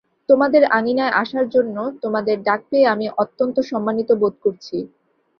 তোমাদের আঙিনায় আসার জন্য তোমাদের ডাক পেয়ে আমি অত্যন্ত সম্মানিত বোধ করছি।